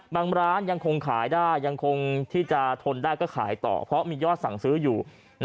บางร้านยังคงขายได้ยังคงที่จะทนได้ก็ขายต่อเพราะมียอดสั่งซื้ออยู่